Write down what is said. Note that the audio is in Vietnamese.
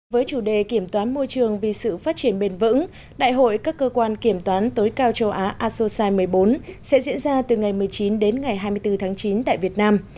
với chủ đề kiểm toán môi trường vì sự phát triển bền vững đại hội các cơ quan kiểm toán tối cao châu á asosai một mươi bốn sẽ diễn ra từ ngày một mươi chín đến ngày hai mươi bốn tháng chín tại việt nam